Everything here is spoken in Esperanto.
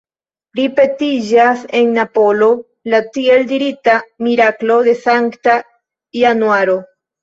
Ripetiĝas en Napolo la tiel dirita «miraklo de Sankta Januaro».